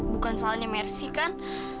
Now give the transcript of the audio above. bukan salahnya mercy kan